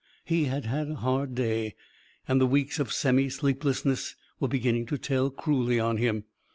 He had had a hard day. And the weeks of semi sleeplessness were beginning to tell cruelly on him.